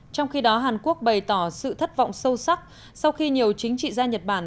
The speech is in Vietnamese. trong khi đó hàn quốc bày tỏ sự thất vọng sâu sắc sau khi nhiều chính trị gia nhật bản